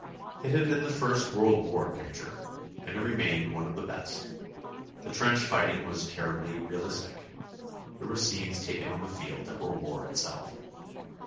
It had been the first World War picture, and it remained one of the best. The trench fighting was terribly realistic. There were scenes taken on the field that were war itself.